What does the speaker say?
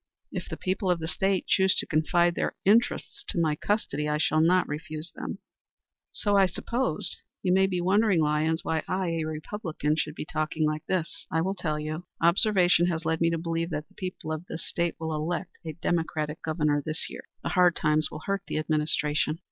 "If the people of the State choose to confide their interests to my custody, I shall not refuse to serve them." "So I supposed. You may be wondering, Lyons, why I, a Republican, should be talking like this. I will tell you. Observation has led me to believe that the people of this State will elect a Democratic Governor this year. The hard times will hurt the administration.